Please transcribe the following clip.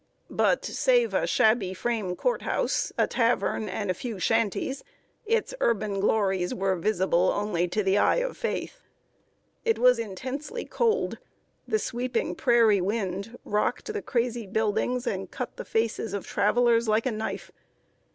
But, save a shabby frame court house, a tavern, and a few shanties, its urban glories were visible only to the eye of faith. It was intensely cold. The sweeping prairie wind rocked the crazy buildings, and cut the faces of travelers like a knife.